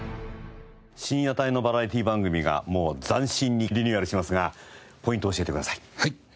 深夜帯のバラエティー番組がもう斬新にリニューアルしますがポイントを教えてください。